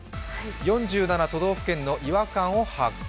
４７の都道府県の違和感を発見